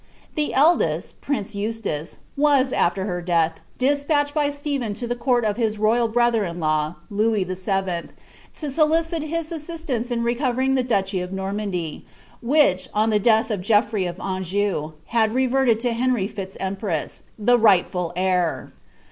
The eldest, prince Eustace, was, after her death, despatched by Stepbcs lo the court of his royal brother in law, Louis VII., to solicit his tau^ ance in recovering the ducliy of Normandy, which, on the death d Gcofijrey of .Anjou, had reverted to Henrj Fiiz Empress, tfie righlfiil heir.